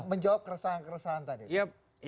menjawab keresahan keresahan tadi